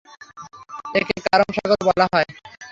একে কারম সাগরও বলা হয়।